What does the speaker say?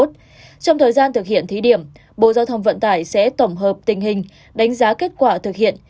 trong thời gian thực hiện thí điểm bộ giao thông vận tải sẽ tổng hợp tình hình đánh giá kết quả thực hiện